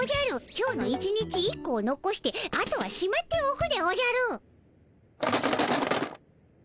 今日の１日１個をのこしてあとはしまっておくでおじゃる。